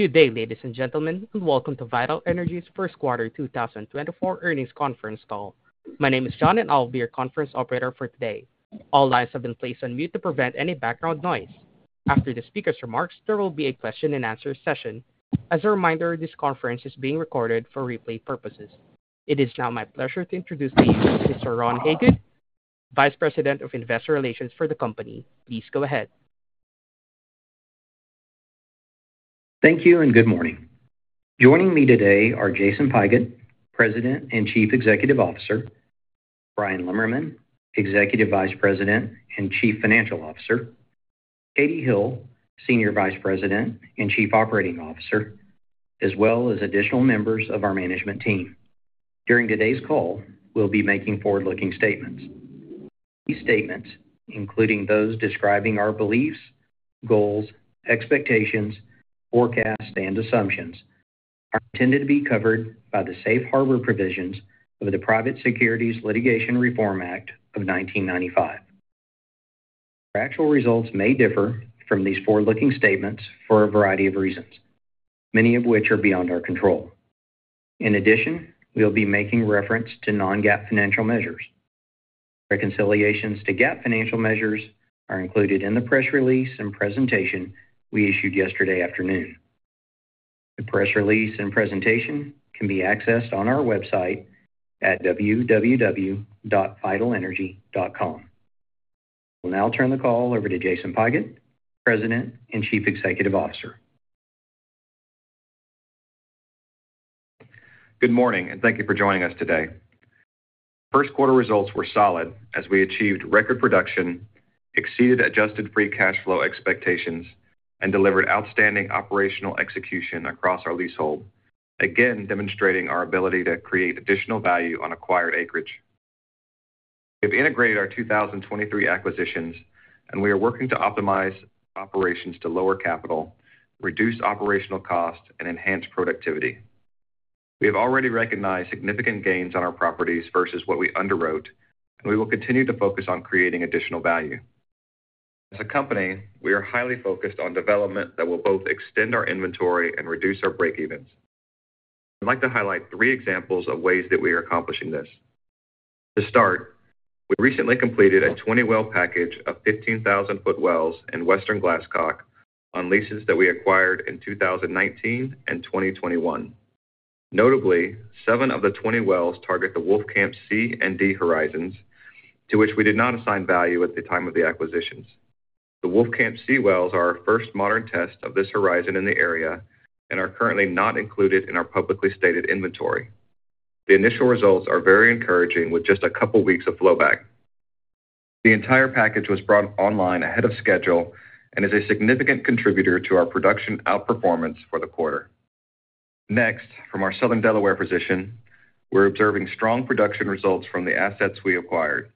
Good day, ladies and gentlemen, and welcome to Vital Energy's first quarter 2024 earnings conference call. My name is John, and I'll be your conference operator for today. All lines have been placed on mute to prevent any background noise. After the speaker's remarks, there will be a question-and-answer session. As a reminder, this conference is being recorded for replay purposes. It is now my pleasure to introduce to you, Mr. Ron Hagood, Vice President of Investor Relations for the company. Please go ahead. Thank you, and good morning. Joining me today are Jason Pigott, President and Chief Executive Officer, Bryan Lemmerman, Executive Vice President and Chief Financial Officer, Katie Hill, Senior Vice President and Chief Operating Officer, as well as additional members of our management team. During today's call, we'll be making forward-looking statements. These statements, including those describing our beliefs, goals, expectations, forecasts, and assumptions, are intended to be covered by the Safe Harbor provisions of the Private Securities Litigation Reform Act of 1995. Our actual results may differ from these forward-looking statements for a variety of reasons, many of which are beyond our control. In addition, we'll be making reference to non-GAAP financial measures. Reconciliations to GAAP financial measures are included in the press release and presentation we issued yesterday afternoon. The press release and presentation can be accessed on our website at www.vitalenergy.com. We'll now turn the call over to Jason Pigott, President and Chief Executive Officer. Good morning, and thank you for joining us today. First quarter results were solid as we achieved record production, exceeded adjusted free cash flow expectations, and delivered outstanding operational execution across our leasehold, again, demonstrating our ability to create additional value on acquired acreage. We've integrated our 2023 acquisitions, and we are working to optimize operations to lower capital, reduce operational costs, and enhance productivity. We have already recognized significant gains on our properties versus what we underwrote, and we will continue to focus on creating additional value. As a company, we are highly focused on development that will both extend our inventory and reduce our breakevens. I'd like to highlight three examples of ways that we are accomplishing this. To start, we recently completed a 20-well package of 15,000-foot wells in Western Glasscock on leases that we acquired in 2019 and 2021. Notably, seven of the 20 wells target the Wolfcamp C and D horizons, to which we did not assign value at the time of the acquisitions. The Wolfcamp C wells are our first modern test of this horizon in the area and are currently not included in our publicly stated inventory. The initial results are very encouraging, with just a couple weeks of flowback. The entire package was brought online ahead of schedule and is a significant contributor to our production outperformance for the quarter. Next, from our Southern Delaware position, we're observing strong production results from the assets we acquired.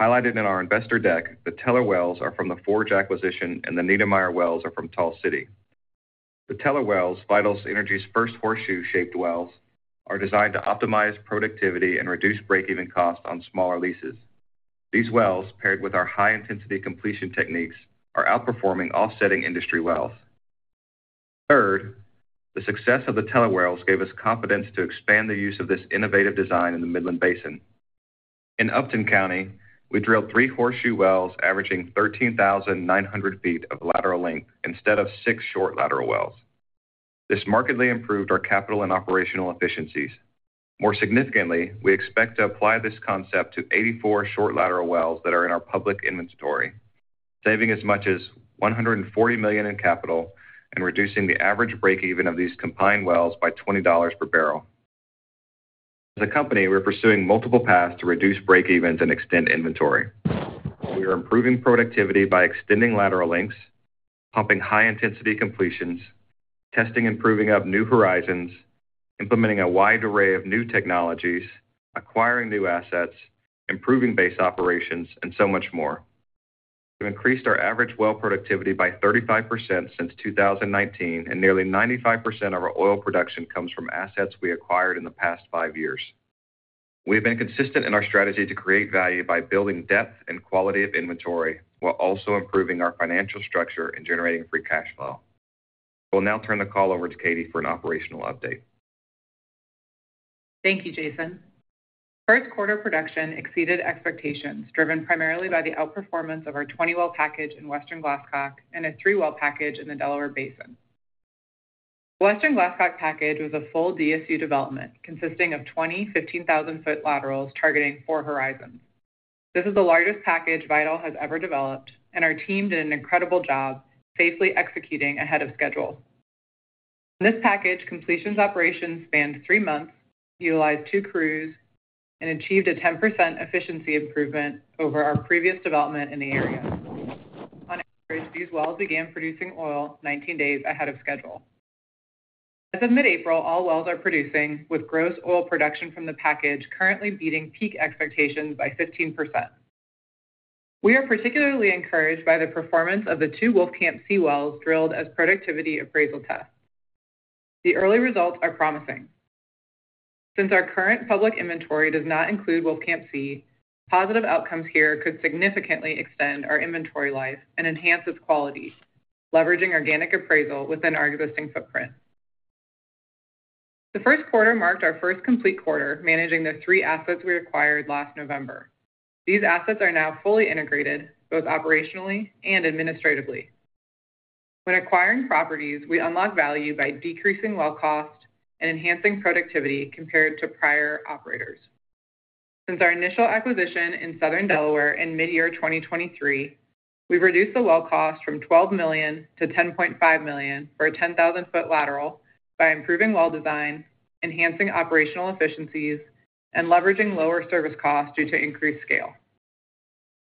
Highlighted in our investor deck, the Teller wells are from the Forge acquisition, and the Niedermeyer wells are from Tall City. The Teller wells, Vital Energy's first horseshoe-shaped wells, are designed to optimize productivity and reduce break-even cost on smaller leases. These wells, paired with our high-intensity completion techniques, are outperforming offsetting industry wells. Third, the success of the Teller wells gave us confidence to expand the use of this innovative design in the Midland Basin. In Upton County, we drilled three horseshoe wells, averaging 13,900 feet of lateral length instead of six short lateral wells. This markedly improved our capital and operational efficiencies. More significantly, we expect to apply this concept to 84 short lateral wells that are in our public inventory, saving as much as $140 million in capital and reducing the average breakeven of these combined wells by $20 per barrel. As a company, we're pursuing multiple paths to reduce breakevens and extend inventory. We are improving productivity by extending lateral lengths, pumping high-intensity completions, testing and proving up new horizons, implementing a wide array of new technologies, acquiring new assets, improving base operations, and so much more. We've increased our average well productivity by 35% since 2019, and nearly 95% of our oil production comes from assets we acquired in the past five years. We've been consistent in our strategy to create value by building depth and quality of inventory while also improving our financial structure and generating free cash flow. We'll now turn the call over to Katie for an operational update. Thank you, Jason. First quarter production exceeded expectations, driven primarily by the outperformance of our 20-well package in Western Glasscock and a three-well package in the Delaware Basin. Western Glasscock package was a full DSU development consisting of 20, 15,000-foot laterals targeting four horizons. This is the largest package Vital has ever developed, and our team did an incredible job safely executing ahead of schedule. This package completions operations spanned three months, utilized two crews, and achieved a 10% efficiency improvement over our previous development in the area. On average, these wells began producing oil 19 days ahead of schedule. As of mid-April, all wells are producing, with gross oil production from the package currently beating peak expectations by 15%. We are particularly encouraged by the performance of the two Wolfcamp C wells drilled as productivity appraisal tests. The early results are promising. Since our current public inventory does not include Wolfcamp C, positive outcomes here could significantly extend our inventory life and enhance its quality, leveraging organic appraisal within our existing footprint. The first quarter marked our first complete quarter managing the three assets we acquired last November. These assets are now fully integrated, both operationally and administratively. When acquiring properties, we unlock value by decreasing well cost and enhancing productivity compared to prior operators. Since our initial acquisition in Southern Delaware in mid-2023, we've reduced the well cost from $12 million to $10.5 million for a 10,000-foot lateral by improving well design, enhancing operational efficiencies, and leveraging lower service costs due to increased scale.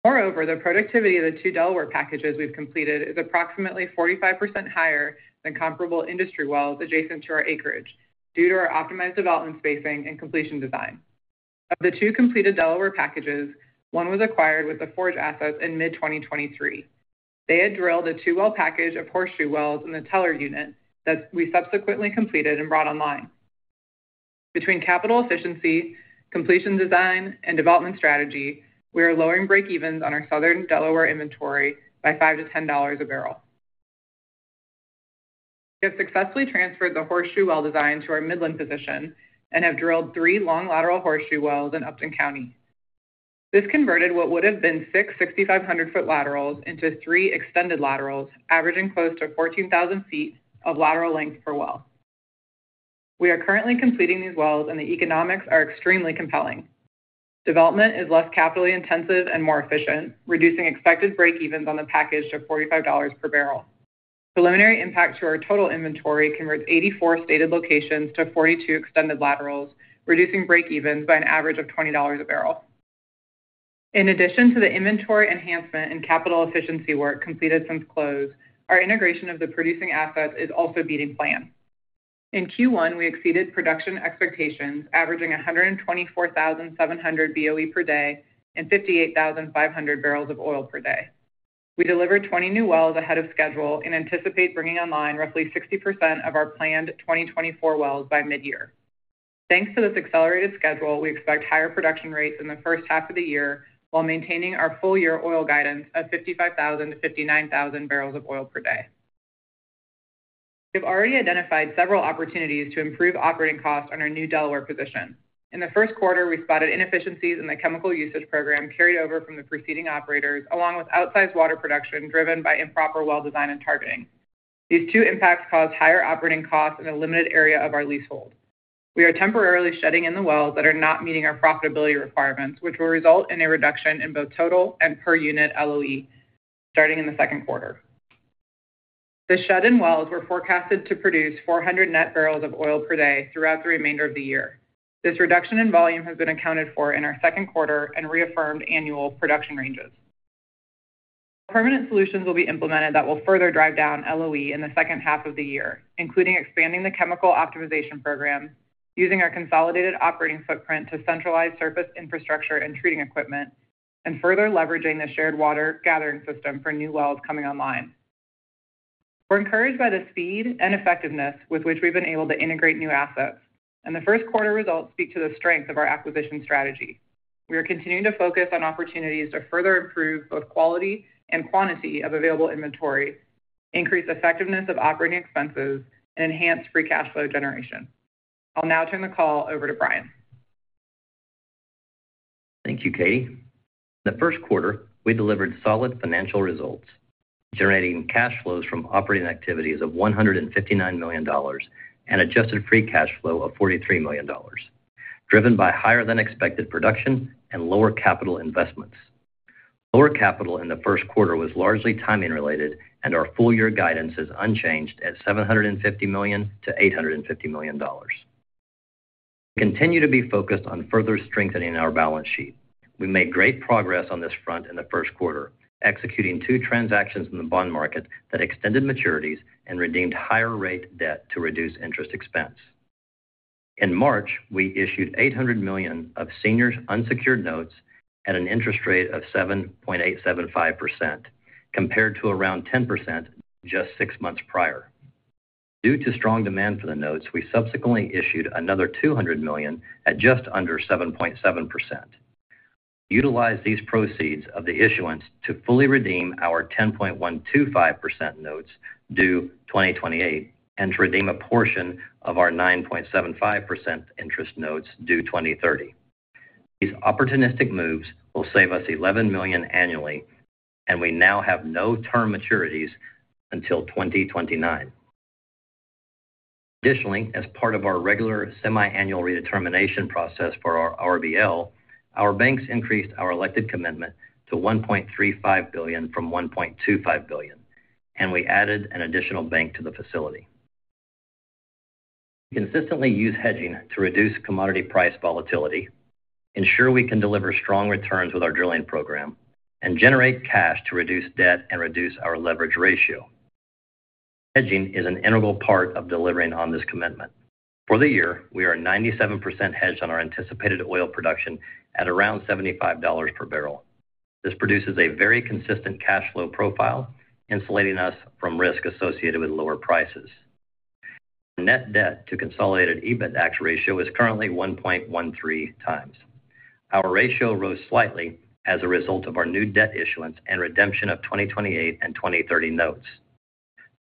Moreover, the productivity of the two Delaware packages we've completed is approximately 45% higher than comparable industry wells adjacent to our acreage due to our optimized development spacing and completion design. Of the two completed Delaware packages, one was acquired with the Forge assets in mid-2023. They had drilled a two-well package of horseshoe wells in the Teller unit that we subsequently completed and brought online. Between capital efficiency, completion design, and development strategy, we are lowering breakevens on our Southern Delaware inventory by $5-$10 a barrel. We have successfully transferred the horseshoe well design to our Midland position and have drilled three long lateral horseshoe wells in Upton County. This converted what would have been six 6,500-foot laterals into three extended laterals, averaging close to 14,000 feet of lateral length per well. We are currently completing these wells, and the economics are extremely compelling. Development is less capitally intensive and more efficient, reducing expected breakevens on the package to $45 per barrel. Preliminary impact to our total inventory converts 84 stated locations to 42 extended laterals, reducing breakevens by an average of $20 a barrel. In addition to the inventory enhancement and capital efficiency work completed since close, our integration of the producing assets is also beating plan. In Q1, we exceeded production expectations, averaging 124,700 Boe per day and 58,500 barrels of oil per day. We delivered 20 new wells ahead of schedule and anticipate bringing online roughly 60% of our planned 2024 wells by mid-year. Thanks to this accelerated schedule, we expect higher production rates in the first half of the year while maintaining our full year oil guidance of 55,000-59,000 barrels of oil per day. We've already identified several opportunities to improve operating costs on our new Delaware position. In the first quarter, we spotted inefficiencies in the chemical usage program carried over from the preceding operators, along with outsized water production driven by improper well design and targeting. These two impacts caused higher operating costs in a limited area of our leasehold. We are temporarily shutting in the wells that are not meeting our profitability requirements, which will result in a reduction in both total and per unit LOE starting in the second quarter. The shut-in wells were forecasted to produce 400 net barrels of oil per day throughout the remainder of the year. This reduction in volume has been accounted for in our second quarter and reaffirmed annual production ranges. Permanent solutions will be implemented that will further drive down LOE in the second half of the year, including expanding the chemical optimization program, using our consolidated operating footprint to centralize surface infrastructure and treating equipment, and further leveraging the shared water gathering system for new wells coming online. We're encouraged by the speed and effectiveness with which we've been able to integrate new assets, and the first quarter results speak to the strength of our acquisition strategy. We are continuing to focus on opportunities to further improve both quality and quantity of available inventory, increase effectiveness of operating expenses, and enhance free cash flow generation. I'll now turn the call over to Bryan. Thank you, Katie. In the first quarter, we delivered solid financial results, generating cash flows from operating activities of $159 million and Adjusted Free Cash Flow of $43 million, driven by higher than expected production and lower capital investments. Lower capital in the first quarter was largely timing related, and our full year guidance is unchanged at $750 million-$850 million. We continue to be focused on further strengthening our balance sheet. We made great progress on this front in the first quarter, executing two transactions in the bond market that extended maturities and redeemed higher rate debt to reduce interest expense. In March, we issued $800 million of senior unsecured notes at an interest rate of 7.875%, compared to around 10% just six months prior. Due to strong demand for the notes, we subsequently issued another $200 million at just under 7.7%. We utilized these proceeds of the issuance to fully redeem our 10.125% notes due 2028, and to redeem a portion of our 9.75% interest notes due 2030. These opportunistic moves will save us $11 million annually, and we now have no term maturities until 2029. Additionally, as part of our regular semi-annual redetermination process for our RBL, our banks increased our elected commitment to $1.35 billion from $1.25 billion, and we added an additional bank to the facility. We consistently use hedging to reduce commodity price volatility, ensure we can deliver strong returns with our drilling program, and generate cash to reduce debt and reduce our leverage ratio. Hedging is an integral part of delivering on this commitment. For the year, we are 97% hedged on our anticipated oil production at around $75 per barrel. This produces a very consistent cash flow profile, insulating us from risk associated with lower prices. Net debt to consolidated EBITDAX ratio is currently 1.13x. Our ratio rose slightly as a result of our new debt issuance and redemption of 2028 and 2030 notes,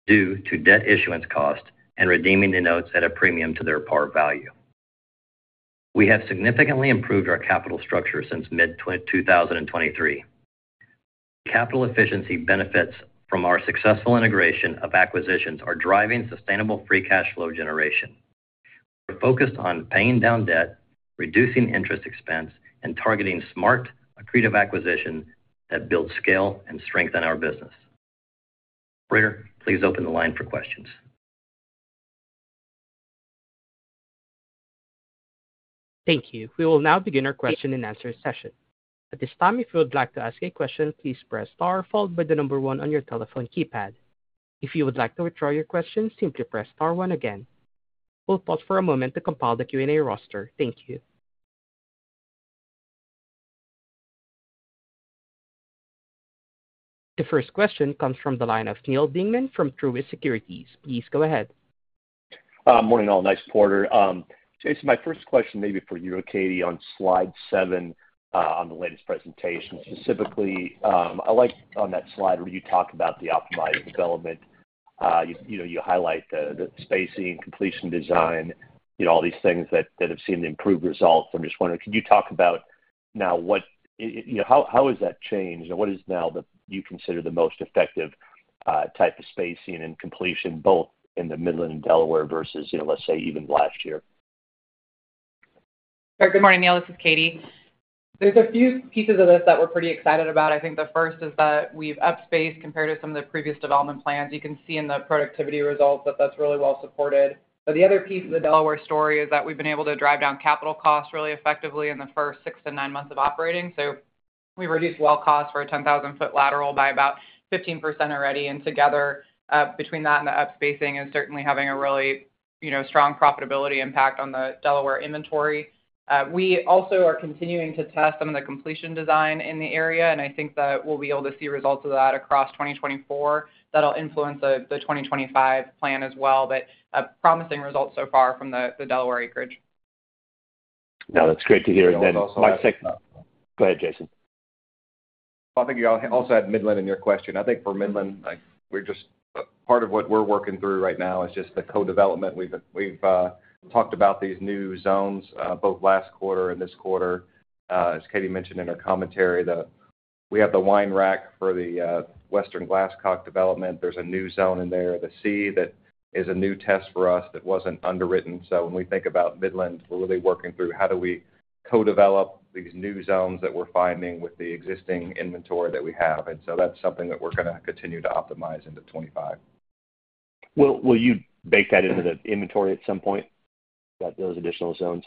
due to debt issuance cost and redeeming the notes at a premium to their par value. We have significantly improved our capital structure since mid-2023. Capital efficiency benefits from our successful integration of acquisitions are driving sustainable free cash flow generation. We're focused on paying down debt, reducing interest expense, and targeting smart, accretive acquisition that builds scale and strengthen our business. Operator, please open the line for questions. Thank you. We will now begin our question and answer session. At this time, if you would like to ask a question, please press star followed by the number one on your telephone keypad. If you would like to withdraw your question, simply press star one again. We'll pause for a moment to compile the Q&A roster. Thank you. The first question comes from the line of Neal Dingman from Truist Securities. Please go ahead. Morning, all. Thanks, operator. Jason, my first question may be for you or Katie. On slide seven, on the latest presentation, specifically, I like on that slide where you talk about the optimized development. You know, you highlight the spacing, completion design, you know, all these things that have seen the improved results. I'm just wondering, could you talk about now what you know, how has that changed, and what is now the you consider the most effective type of spacing and completion, both in the Midland and Delaware versus, you know, let's say, even last year? Good morning, Neal. This is Katie. There's a few pieces of this that we're pretty excited about. I think the first is that we've upspaced compared to some of the previous development plans. You can see in the productivity results that that's really well supported. But the other piece of the Delaware story is that we've been able to drive down capital costs really effectively in the first six to nine months of operating. So we've reduced well costs for a 10,000-foot lateral by about 15% already. And together, between that and the upspacing is certainly having a really, you know, strong profitability impact on the Delaware inventory. We also are continuing to test some of the completion design in the area, and I think that we'll be able to see results of that across 2024. That'll influence the 2025 plan as well, but promising results so far from the Delaware acreage. Now, that's great to hear. And then also. My second... Go ahead, Jason. I think you also had Midland in your question. I think for Midland, like, we're just part of what we're working through right now is just the co-development. We've talked about these new zones both last quarter and this quarter. As Katie mentioned in her commentary, we have the wine rack for the Western Glasscock development. There's a new zone in there, the C, that is a new test for us that wasn't underwritten. So when we think about Midland, we're really working through how do we co-develop these new zones that we're finding with the existing inventory that we have. And so that's something that we're gonna continue to optimize into 25. Will, will you bake that into the inventory at some point, that, those additional zones?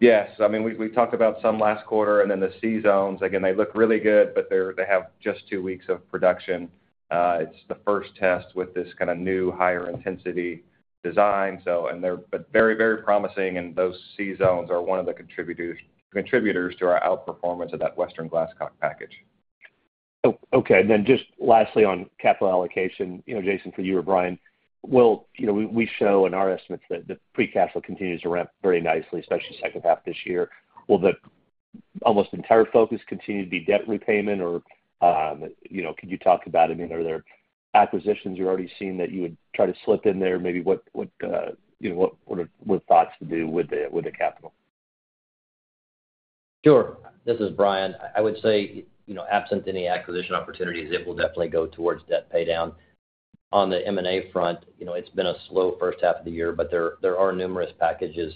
Yes. I mean, we talked about some last quarter, and then the C zones. Again, they look really good, but they have just two weeks of production. It's the first test with this kinda new, higher intensity design, so and they're very, very promising, and those C zones are one of the contributors to our outperformance of that Western Glasscock package. Oh, okay. And then just lastly, on capital allocation, you know, Jason, for you or Bryan, will—you know, we, we show in our estimates that the free cash flow continues to ramp very nicely, especially second half of this year. Will the almost entire focus continue to be debt repayment, or, you know, could you talk about, I mean, are there acquisitions you're already seeing that you would try to slip in there? Maybe what, what, you know, what, what are—what thoughts to do with the, with the capital? Sure. This is Bryan. I would say, you know, absent any acquisition opportunities, it will definitely go towards debt paydown. On the M&A front, you know, it's been a slow first half of the year, but there are numerous packages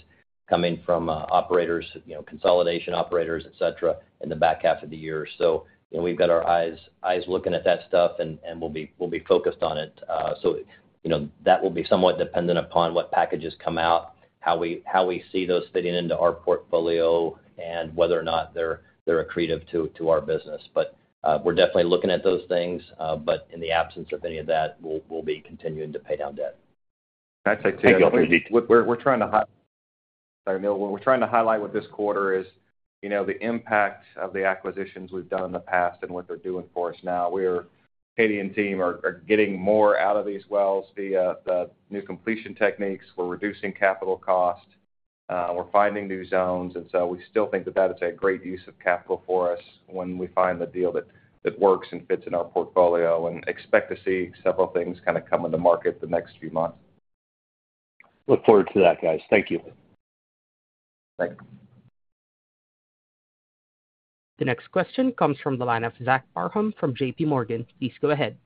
coming from operators, you know, consolidation operators, et cetera, in the back half of the year. So, you know, we've got our eyes looking at that stuff, and we'll be focused on it. So, you know, that will be somewhat dependent upon what packages come out, how we see those fitting into our portfolio, and whether or not they're accretive to our business. But, we're definitely looking at those things, but in the absence of any of that, we'll be continuing to pay down debt. Can I say too, Sorry, Neal. What we're trying to highlight with this quarter is, you know, the impact of the acquisitions we've done in the past and what they're doing for us now. We're-- Katie and team are getting more out of these wells via the new completion techniques. We're reducing capital costs, we're finding new zones, and so we still think that that is a great use of capital for us when we find the deal that works and fits in our portfolio, and expect to see several things kinda come on the market the next few months. Look forward to that, guys. Thank you. Thanks. The next question comes from the line of Zach Parham from JPMorgan. Please go ahead.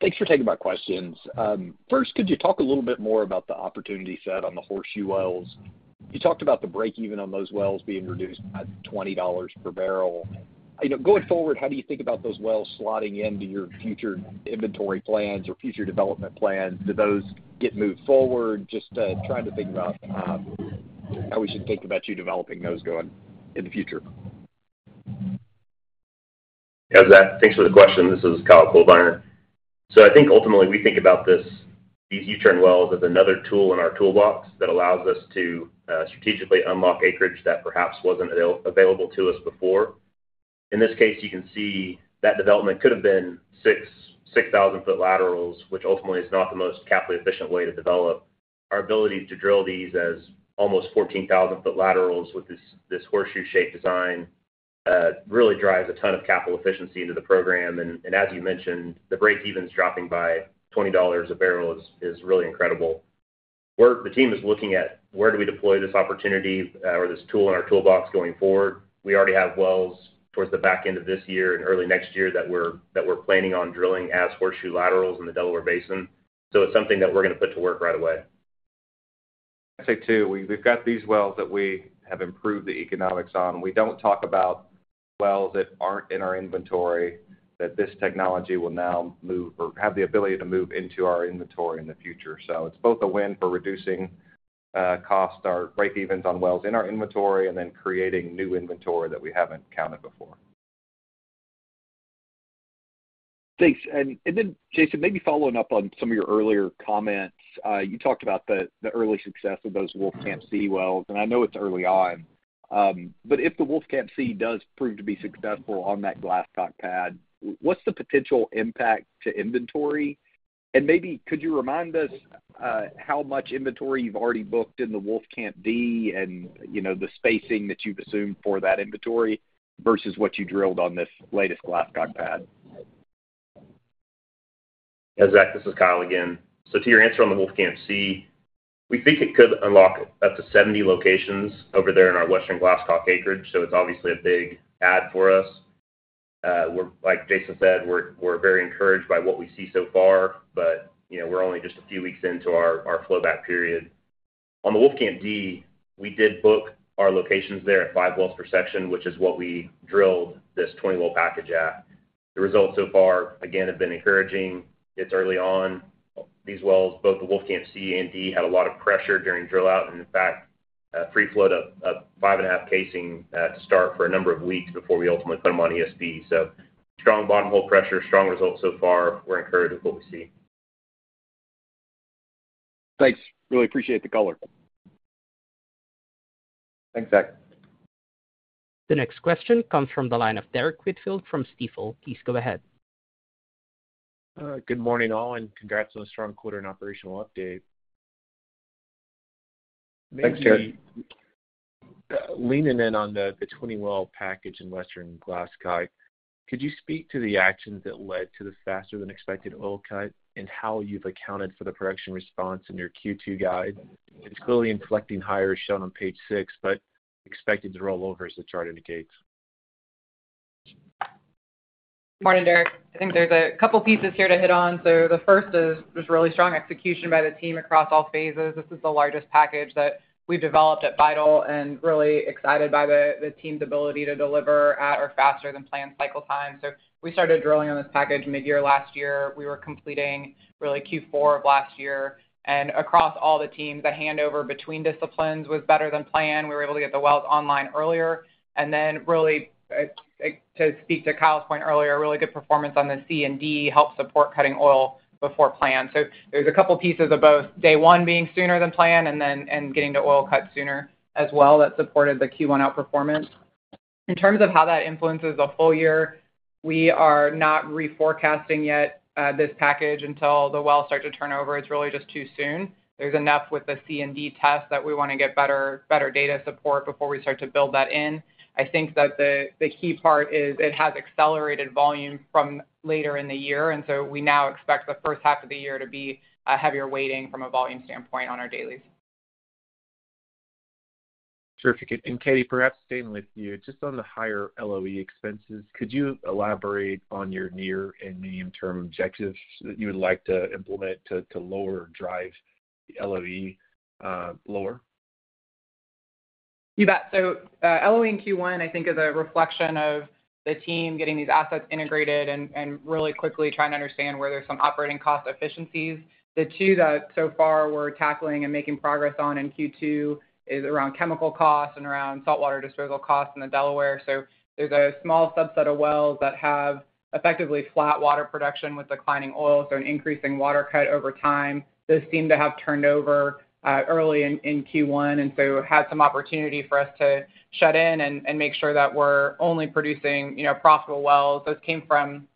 Thanks for taking my questions. First, could you talk a little bit more about the opportunity set on the Horseshoe wells? You talked about the break-even on those wells being reduced by $20 per barrel. You know, going forward, how do you think about those wells slotting into your future inventory plans or future development plans? Do those get moved forward? Just, trying to think about, how we should think about you developing those going in the future. Yeah, Zach, thanks for the question. This is Kyle Coldiron. So I think ultimately, we think about this, these U-turn wells as another tool in our toolbox that allows us to strategically unlock acreage that perhaps wasn't available to us before. In this case, you can see that development could have been 6,000-foot laterals, which ultimately is not the most capital efficient way to develop. Our ability to drill these as almost 14,000-foot laterals with this horseshoe-shaped design really drives a ton of capital efficiency into the program. And as you mentioned, the breakevens dropping by $20 a barrel is really incredible. We're. The team is looking at where do we deploy this opportunity or this tool in our toolbox going forward. We already have wells towards the back end of this year and early next year that we're planning on drilling as horseshoe laterals in the Delaware Basin. So it's something that we're gonna put to work right away. I'd say, too, we've got these wells that we have improved the economics on. We don't talk about wells that aren't in our inventory, that this technology will now move or have the ability to move into our inventory in the future. So it's both a win for reducing cost, our breakevens on wells in our inventory, and then creating new inventory that we haven't counted before. Thanks. And then Jason, maybe following up on some of your earlier comments. You talked about the early success of those Wolfcamp C wells, and I know it's early on. But if the Wolfcamp C does prove to be successful on that Glasscock pad, what's the potential impact to inventory? And maybe could you remind us how much inventory you've already booked in the Wolfcamp D and, you know, the spacing that you've assumed for that inventory versus what you drilled on this latest Glasscock pad? Yeah, Zach, this is Kyle again. So to your answer on the Wolfcamp C, we think it could unlock up to 70 locations over there in our Western Glasscock acreage, so it's obviously a big add for us. We're—like Jason said, we're very encouraged by what we see so far, but, you know, we're only just a few weeks into our flowback period. On the Wolfcamp D, we did book our locations there at 5 wells per section, which is what we drilled this 20-well package at. The results so far, again, have been encouraging. It's early on. These wells, both the Wolfcamp C and D, had a lot of pressure during drill out, and in fact, free flowed a 5.5 casing to start for a number of weeks before we ultimately put them on ESP. Strong bottom hole pressure, strong results so far. We're encouraged with what we see. Thanks. Really appreciate the color. Thanks, Zach. The next question comes from the line of Derrick Whitfield from Stifel. Please go ahead. Good morning, all, and congrats on a strong quarter and operational update. Thanks, Derrick. Leaning in on the 20-well package in Western Glasscock, could you speak to the actions that led to the faster than expected oil cut and how you've accounted for the production response in your Q2 guide? It's clearly inflecting higher, shown on page 6, but expected to roll over, as the chart indicates. Good morning, Derrick. I think there's a couple pieces here to hit on. So the first is, there's really strong execution by the team across all phases. This is the largest package that we've developed at Vital, and really excited by the team's ability to deliver at or faster than planned cycle time. So we started drilling on this package midyear last year. We were completing really Q4 of last year. And across all the teams, the handover between disciplines was better than planned. We were able to get the wells online earlier. And then really, to speak to Kyle's point earlier, really good performance on the C and D helped support cutting oil before plan. So there's a couple pieces of both day one being sooner than planned and then, and getting the oil cut sooner as well that supported the Q1 outperformance. In terms of how that influences the full year, we are not reforecasting yet, this package until the wells start to turn over. It's really just too soon. There's enough with the C and D test that we wanna get better, better data support before we start to build that in. I think that the, the key part is it has accelerated volume from later in the year, and so we now expect the first half of the year to be a heavier weighting from a volume standpoint on our dailies. Terrific. And Katie, perhaps staying with you, just on the higher LOE expenses, could you elaborate on your near and medium-term objectives that you would like to implement to lower or drive the LOE lower? You bet. So, LOE in Q1, I think, is a reflection of the team getting these assets integrated and really quickly trying to understand where there's some operating cost efficiencies. The two that so far we're tackling and making progress on in Q2 is around chemical costs and around saltwater disposal costs in the Delaware. So there's a small subset of wells that have effectively flat water production with declining oil, so an increasing water cut over time. Those seem to have turned over early in Q1, and so had some opportunity for us to shut in and make sure that we're only producing, you know, profitable wells. Those came from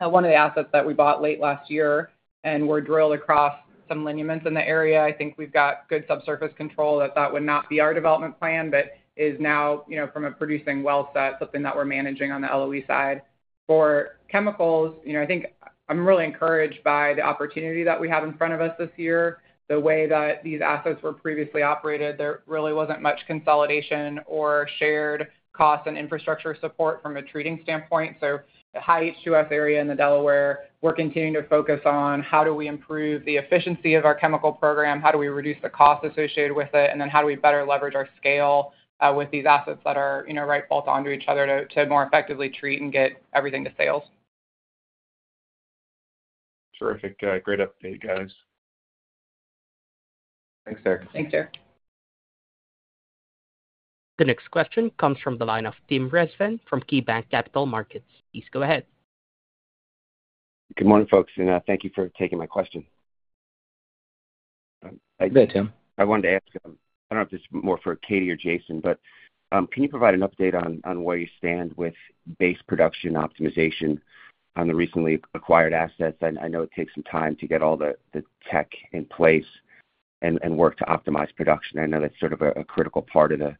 one of the assets that we bought late last year, and were drilled across some lineaments in the area. I think we've got good subsurface control, that that would not be our development plan, but is now, you know, from a producing well set, something that we're managing on the LOE side. For chemicals, you know, I think I'm really encouraged by the opportunity that we have in front of us this year. The way that these assets were previously operated, there really wasn't much consolidation or shared costs and infrastructure support from a treating standpoint. So the high H2S area in the Delaware, we're continuing to focus on how do we improve the efficiency of our chemical program, how do we reduce the cost associated with it, and then how do we better leverage our scale with these assets that are, you know, right bolt onto each other to more effectively treat and get everything to sales? Terrific. Great update, guys. Thanks, Derrick. Thanks, Derrick. The next question comes from the line of Tim Rezvan from KeyBanc Capital Markets. Please go ahead. Good morning, folks, and thank you for taking my question. Good, Tim. I wanted to ask, I don't know if this is more for Katie or Jason, but, can you provide an update on where you stand with base production optimization on the recently acquired assets? I know it takes some time to get all the tech in place and work to optimize production. I know that's sort of a critical part of the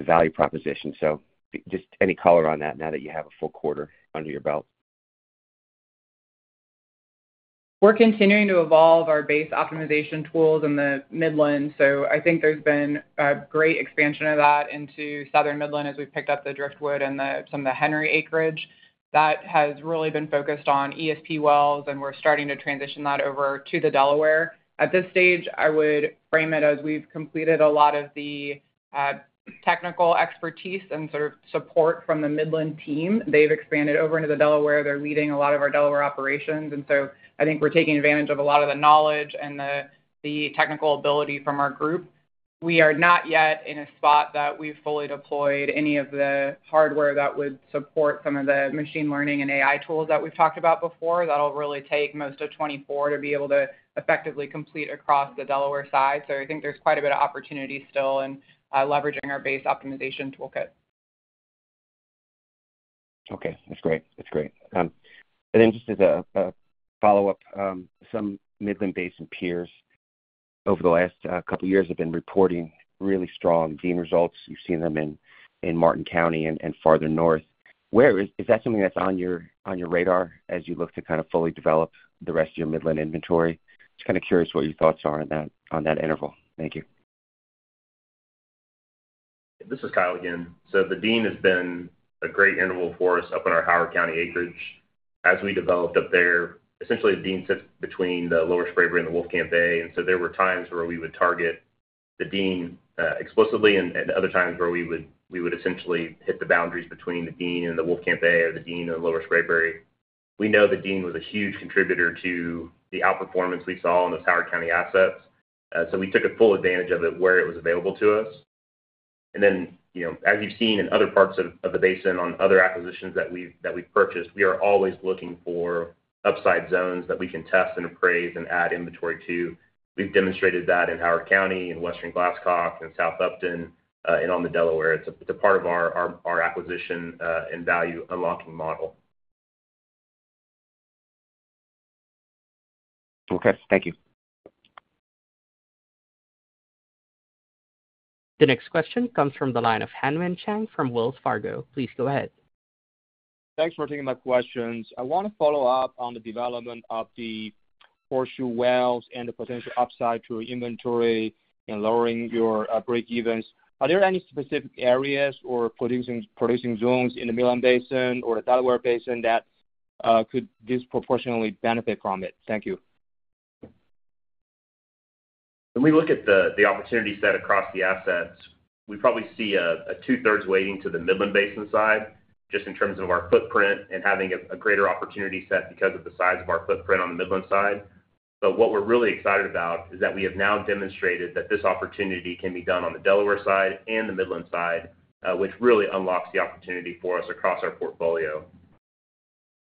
value proposition. So just any color on that now that you have a full quarter under your belt. We're continuing to evolve our base optimization tools in the Midland, so I think there's been a great expansion of that into Southern Midland as we've picked up the Driftwood and the, some of the Henry acreage. That has really been focused on ESP wells, and we're starting to transition that over to the Delaware. At this stage, I would frame it as we've completed a lot of the technical expertise and sort of support from the Midland team. They've expanded over into the Delaware. They're leading a lot of our Delaware operations, and so I think we're taking advantage of a lot of the knowledge and the technical ability from our group. We are not yet in a spot that we've fully deployed any of the hardware that would support some of the machine learning and AI tools that we've talked about before. That'll really take most of 2024 to be able to effectively complete across the Delaware side. So I think there's quite a bit of opportunity still in leveraging our base optimization toolkit. Okay, that's great. That's great. And then just as a, a follow-up, some Midland Basin peers over the last, couple of years have been reporting really strong Dean results. You've seen them in, in Martin County and, and farther north. Is, is that something that's on your, on your radar as you look to kind of fully develop the rest of your Midland inventory? Just kind of curious what your thoughts are on that, on that interval. Thank you. This is Kyle again. So the Dean has been a great interval for us up in our Howard County acreage. As we developed up there, essentially, the Dean sits between the Lower Spraberry and the Wolfcamp B, and so there were times where we would target the Dean explicitly and other times where we would essentially hit the boundaries between the Dean and the Wolfcamp B or the Dean and Lower Spraberry. We know the Dean was a huge contributor to the outperformance we saw on the Howard County assets, so we took full advantage of it where it was available to us. And then, you know, as you've seen in other parts of the basin, on other acquisitions that we've purchased, we are always looking for upside zones that we can test and appraise and add inventory to. We've demonstrated that in Howard County, in Western Glasscock, in South Upton, and on the Delaware. It's a part of our acquisition and value unlocking model. Okay. Thank you. The next question comes from the line of Hanwen Chang from Wells Fargo. Please go ahead. Thanks for taking my questions. I want to follow up on the development of the horseshoe wells and the potential upside to your inventory and lowering your break evens. Are there any specific areas or producing zones in the Midland Basin or the Delaware Basin that could disproportionately benefit from it? Thank you. When we look at the opportunity set across the assets, we probably see a two-thirds weighting to the Midland Basin side, just in terms of our footprint and having a greater opportunity set because of the size of our footprint on the Midland side. But what we're really excited about is that we have now demonstrated that this opportunity can be done on the Delaware side and the Midland side, which really unlocks the opportunity for us across our portfolio.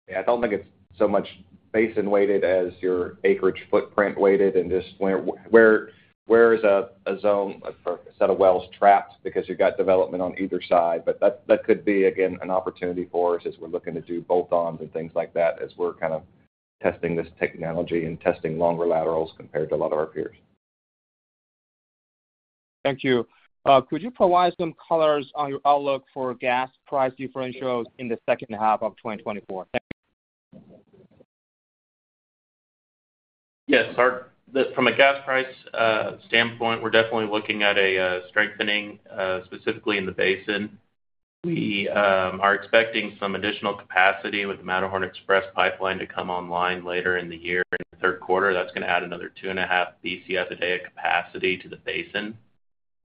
Yeah, I don't think it's so much basin-weighted as your acreage footprint-weighted and just where is a zone or a set of wells trapped because you've got development on either side. But that could be, again, an opportunity for us as we're looking to do bolt-ons and things like that, as we're kind of testing this technology and testing longer laterals compared to a lot of our peers. Thank you. Could you provide some colors on your outlook for gas price differentials in the second half of 2024? Thank you. Yes. Our from a gas price standpoint, we're definitely looking at a strengthening specifically in the basin. We are expecting some additional capacity with the Matterhorn Express Pipeline to come online later in the year, in the third quarter. That's gonna add another 2.5 Bcf a day of capacity to the basin.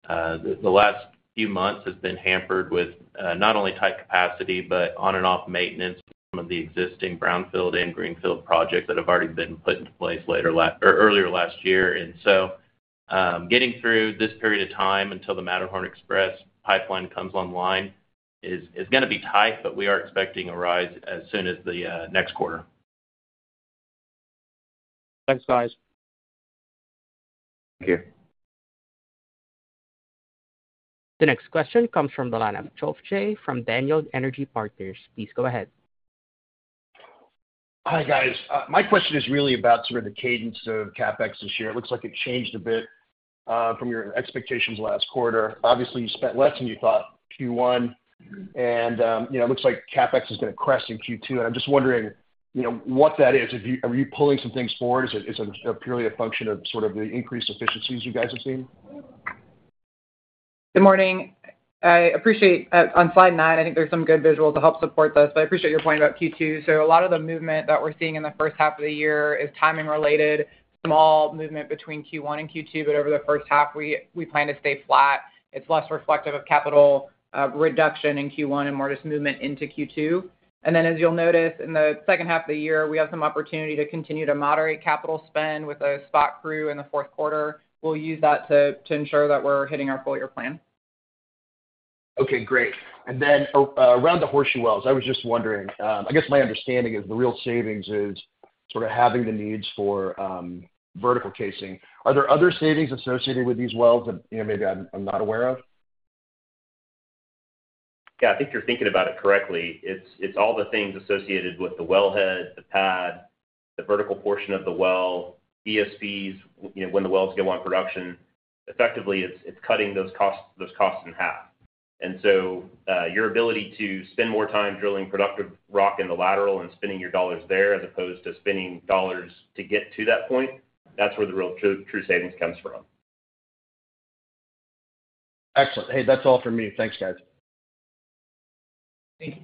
The last few months has been hampered with not only tight capacity, but on-and-off maintenance of some of the existing brownfield and greenfield projects that have already been put into place later last or earlier last year. And so, getting through this period of time until the Matterhorn Express Pipeline comes online is gonna be tight, but we are expecting a rise as soon as the next quarter. Thanks, guys. Thank you. The next question comes from the line of Geoff Jay from Daniel Energy Partners. Please go ahead. Hi, guys. My question is really about sort of the cadence of CapEx this year. It looks like it changed a bit from your expectations last quarter. Obviously, you spent less than you thought Q1, and you know, it looks like CapEx is gonna crest in Q2, and I'm just wondering, you know, what that is. If you-- Are you pulling some things forward? Is it, is it purely a function of sort of the increased efficiencies you guys have seen? Good morning. I appreciate on slide nine, I think there's some good visuals to help support this, but I appreciate your point about Q2. So a lot of the movement that we're seeing in the first half of the year is timing related, small movement between Q1 and Q2, but over the first half, we, we plan to stay flat. It's less reflective of capital reduction in Q1 and more just movement into Q2. And then, as you'll notice, in the second half of the year, we have some opportunity to continue to moderate capital spend with a spot crew in the fourth quarter. We'll use that to, to ensure that we're hitting our full year plan. Okay, great. And then around the Horseshoe wells, I was just wondering. I guess my understanding is the real savings is sort of having the needs for vertical casing. Are there other savings associated with these wells that, you know, maybe I'm not aware of? Yeah, I think you're thinking about it correctly. It's, it's all the things associated with the wellhead, the pad, the vertical portion of the well, ESPs, you know, when the wells go on production. Effectively, it's, it's cutting those costs, those costs in half. And so, your ability to spend more time drilling productive rock in the lateral and spending your dollars there, as opposed to spending dollars to get to that point, that's where the real true, true savings comes from. Excellent. Hey, that's all for me. Thanks, guys. Thank you.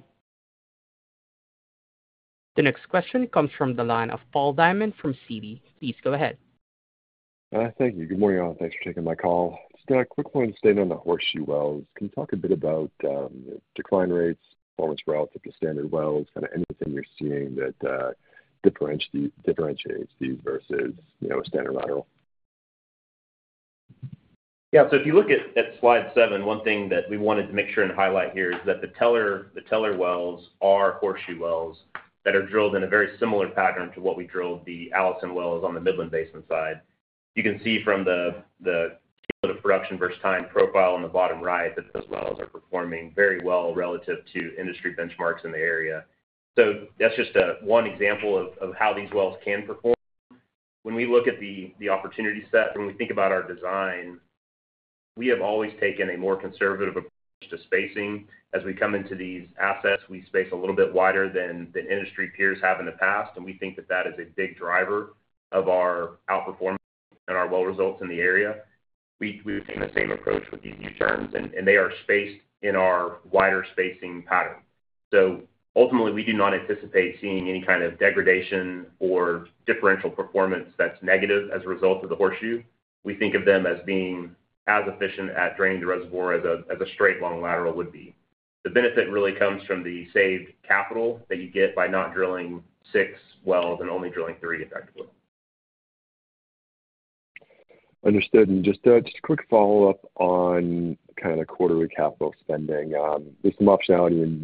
The next question comes from the line of Paul Diamond from Citi. Please go ahead. Thank you. Good morning, all. Thanks for taking my call. Just a quick one staying on the Horseshoe wells. Can you talk a bit about decline rates, performance relative to standard wells, kinda anything you're seeing that differentiates these versus, you know, a standard lateral? Yeah. So if you look at slide seven, one thing that we wanted to make sure and highlight here is that the Teller wells are horseshoe wells that are drilled in a very similar pattern to what we drilled the Allison wells on the Midland Basin side. You can see from the production versus time profile on the bottom right, that those wells are performing very well relative to industry benchmarks in the area. So that's just one example of how these wells can perform. When we look at the opportunity set, when we think about our design, we have always taken a more conservative approach to spacing. As we come into these assets, we space a little bit wider than industry peers have in the past, and we think that is a big driver of our outperformance and our well results in the area. We've taken the same approach with these U-turns, and they are spaced in our wider spacing pattern. So ultimately, we do not anticipate seeing any kind of degradation or differential performance that's negative as a result of the horseshoe. We think of them as being as efficient at draining the reservoir as a straight long lateral would be. The benefit really comes from the saved capital that you get by not drilling six wells and only drilling three effectively. Understood. Just a quick follow-up on kinda quarterly capital spending. There's some optionality in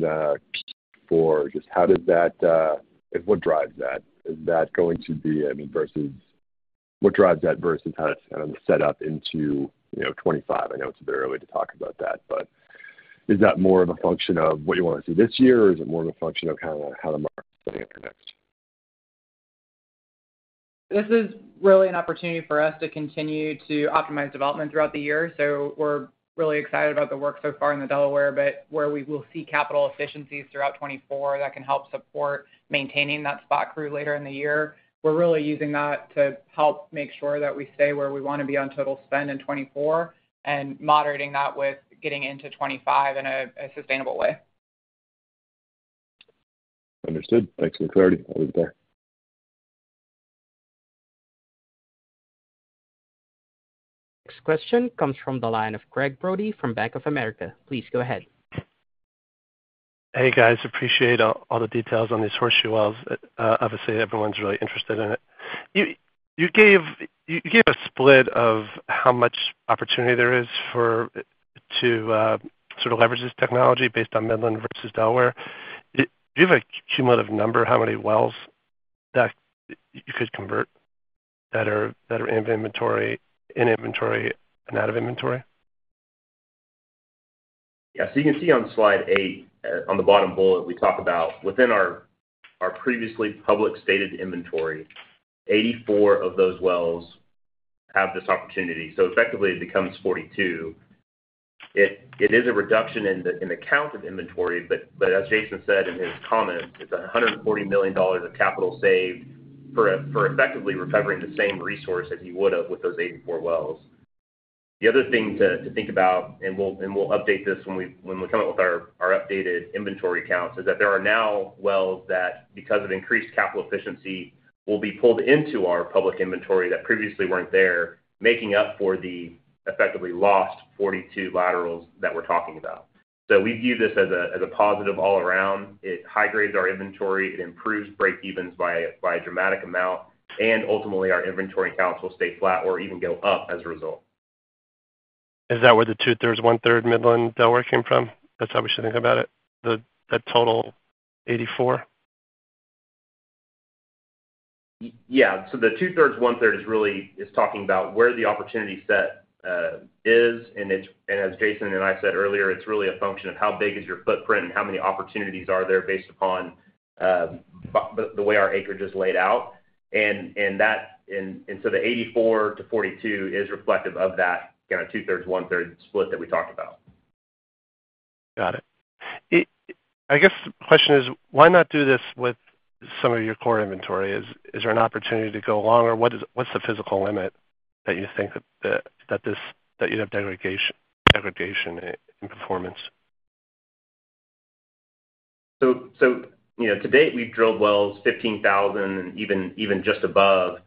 Q4. Just how does that, what drives that? Is that going to be, I mean, versus— What drives that versus kind of the set up into, you know, 2025? I know it's a bit early to talk about that, but is that more of a function of what you want to see this year, or is it more of a function of kinda how the market is looking at the next? This is really an opportunity for us to continue to optimize development throughout the year. So we're really excited about the work so far in the Delaware, but where we will see capital efficiencies throughout 2024, that can help support maintaining that spot crew later in the year. We're really using that to help make sure that we stay where we want to be on total spend in 2024 and moderating that with getting into 2025 in a sustainable way. Understood. Thanks for the clarity. I leave it there. Next question comes from the line of Gregg Brody from Bank of America. Please go ahead. Hey, guys, appreciate all, all the details on these horseshoe wells. Obviously, everyone's really interested in it. You gave a split of how much opportunity there is for to sort of leverage this technology based on Midland versus Delaware. Do you have a cumulative number, how many wells that you could convert that are in inventory and out of inventory? Yeah. So you can see on slide eight, on the bottom bullet, we talk about within our previously publicly stated inventory, 84 of those wells have this opportunity, so effectively it becomes 42. It is a reduction in the count of inventory, but as Jason said in his comments, it's $140 million of capital saved for effectively recovering the same resource as you would have with those 84 wells. The other thing to think about, and we'll update this when we come up with our updated inventory counts, is that there are now wells that, because of increased capital efficiency, will be pulled into our public inventory that previously weren't there, making up for the effectively lost 42 laterals that we're talking about. So we view this as a positive all around. It high-grades our inventory, it improves breaks by a dramatic amount, and ultimately, our inventory counts will stay flat or even go up as a result. Is that where the two-thirds, one-third Midland, Delaware came from? That's how we should think about it, the total 84? Yeah. So the 2/3, 1/3 is really talking about where the opportunity set is, and it's, and as Jason and I said earlier, it's really a function of how big is your footprint and how many opportunities are there based upon the way our acreage is laid out. And that, and so the 84-42 is reflective of that, you know, two-thirds, one-third split that we talked about. Got it. I guess the question is, why not do this with some of your core inventory? Is there an opportunity to go along, or what is, what's the physical limit that you think that this, that you'd have degradation in performance? You know, to date, we've drilled wells 15,000 and even just above.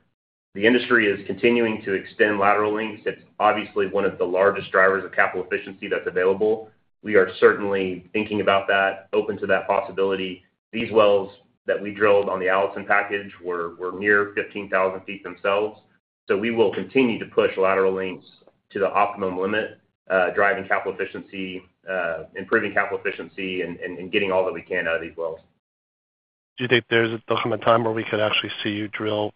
The industry is continuing to extend lateral lengths. It's obviously one of the largest drivers of capital efficiency that's available. We are certainly thinking about that, open to that possibility. These wells that we drilled on the Allison package were near 15,000 feet themselves. So we will continue to push lateral lengths to the optimum limit, driving capital efficiency, improving capital efficiency, and getting all that we can out of these wells. Do you think there's going to come a time where we could actually see you drill,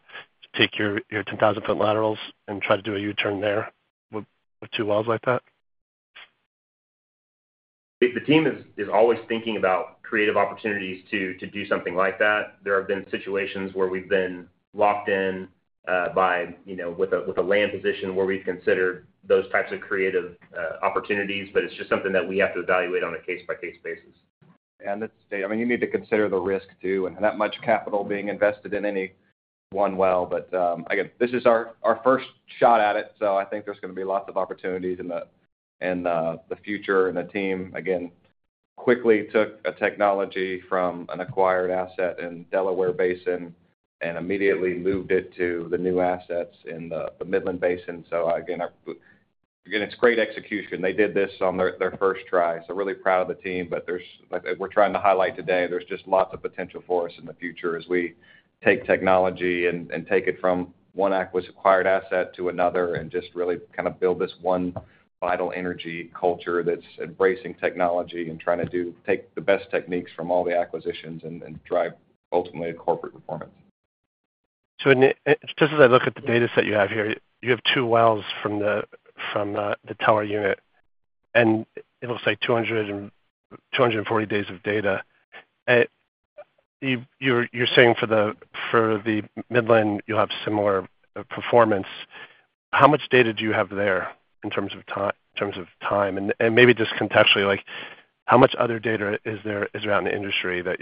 take your 10,000-foot laterals and try to do a U-turn there with two wells like that? The team is always thinking about creative opportunities to do something like that. There have been situations where we've been locked in by, you know, with a land position where we've considered those types of creative opportunities, but it's just something that we have to evaluate on a case-by-case basis. And it's -- I mean, you need to consider the risk, too, and that much capital being invested in any one well. But, again, this is our first shot at it, so I think there's gonna be lots of opportunities in the future. And the team, again, quickly took a technology from an acquired asset in Delaware Basin and immediately moved it to the new assets in the Midland Basin. So again, I -- again, it's great execution. They did this on their first try, so really proud of the team. But, like we're trying to highlight today, there's just lots of potential for us in the future as we take technology and take it from one acquired asset to another and just really kind of build this one Vital Energy culture that's embracing technology and trying to do, take the best techniques from all the acquisitions and drive, ultimately, corporate performance. So when just as I look at the data set you have here, you have two wells from the Teller unit, and it'll say 240 days of data. You're saying for the Midland, you'll have similar performance. How much data do you have there in terms of time? And maybe just contextually, like, how much other data is there around the industry that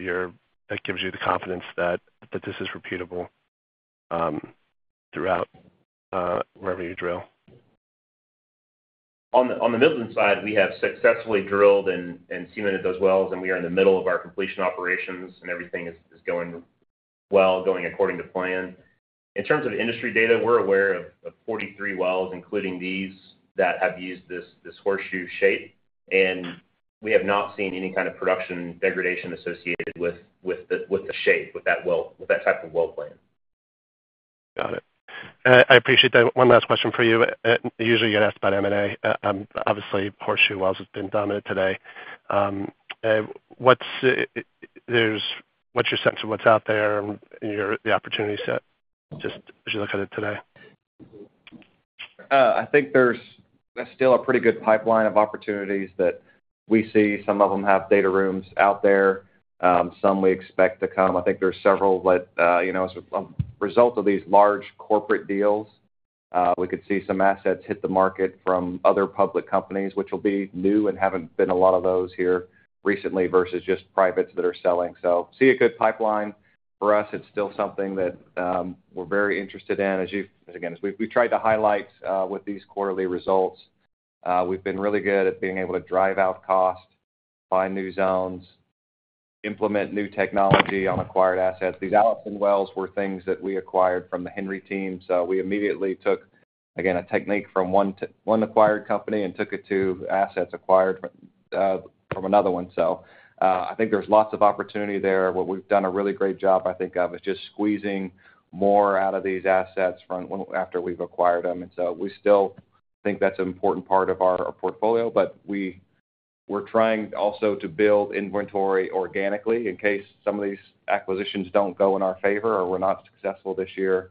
gives you the confidence that this is repeatable throughout wherever you drill? On the Midland side, we have successfully drilled and cemented those wells, and we are in the middle of our completion operations, and everything is going well, going according to plan. In terms of industry data, we're aware of 43 wells, including these, that have used this horseshoe shape, and we have not seen any kind of production degradation associated with the shape, with that well, with that type of well plan. Got it. I appreciate that. One last question for you. You usually get asked about M&A. Obviously, horseshoe wells have been dominant today. What's your sense of what's out there and your, the opportunity set, just as you look at it today? I think there's still a pretty good pipeline of opportunities that we see. Some of them have data rooms out there, some we expect to come. I think there are several that, you know, as a result of these large corporate deals, we could see some assets hit the market from other public companies, which will be new and haven't been a lot of those here recently, versus just privates that are selling. So see a good pipeline. For us, it's still something that, we're very interested in. As you again, as we've tried to highlight, with these quarterly results, we've been really good at being able to drive out cost, find new zones, implement new technology on acquired assets. These Allison wells were things that we acquired from the Henry team, so we immediately took, again, a technique from one to one acquired company and took it to assets acquired from another one. So, I think there's lots of opportunity there. What we've done a really great job, I think, of, is just squeezing more out of these assets after we've acquired them. And so we still think that's an important part of our, our portfolio, but we, we're trying also to build inventory organically in case some of these acquisitions don't go in our favor or we're not successful this year.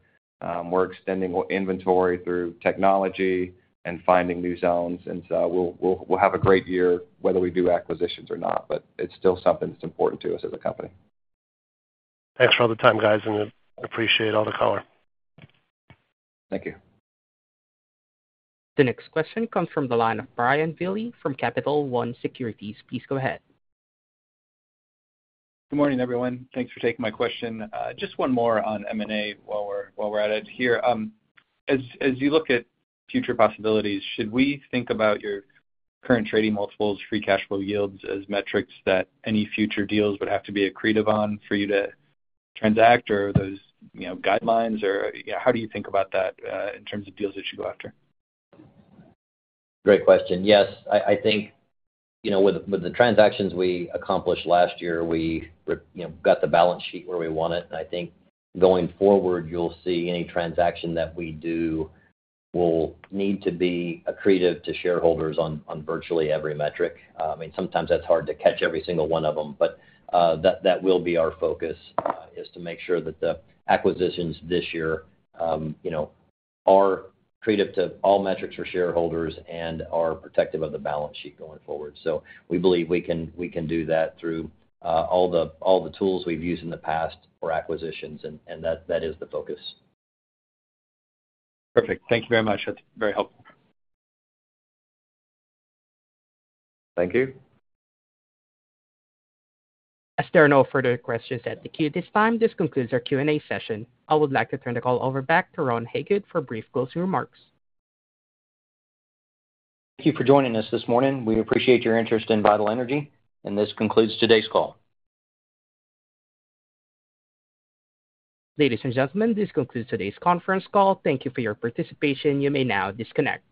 We're extending our inventory through technology and finding new zones, and so we'll, we'll, we'll have a great year whether we do acquisitions or not, but it's still something that's important to us as a company. Thanks for all the time, guys, and I appreciate all the color. Thank you. The next question comes from the line of Brian Velie from Capital One Securities. Please go ahead. Good morning, everyone. Thanks for taking my question. Just one more on M&A while we're at it here. As you look at future possibilities, should we think about your current trading multiples, free cash flow yields, as metrics that any future deals would have to be accretive on for you to transact, or are those, you know, guidelines? Or, yeah, how do you think about that, in terms of deals that you go after? Great question. Yes, I think, you know, with the transactions we accomplished last year, we, you know, got the balance sheet where we want it. And I think going forward, you'll see any transaction that we do will need to be accretive to shareholders on virtually every metric. I mean, sometimes that's hard to catch every single one of them, but that will be our focus is to make sure that the acquisitions this year, you know, are accretive to all metrics for shareholders and are protective of the balance sheet going forward. So we believe we can do that through all the tools we've used in the past for acquisitions, and that is the focus. Perfect. Thank you very much. That's very helpful. Thank you. As there are no further questions at the queue this time, this concludes our Q&A session. I would like to turn the call over back to Ron Hagood for brief closing remarks. Thank you for joining us this morning. We appreciate your interest in Vital Energy, and this concludes today's call. Ladies and gentlemen, this concludes today's conference call. Thank you for your participation. You may now disconnect.